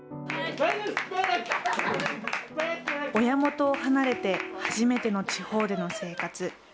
親元を離れて初めての地方での生活。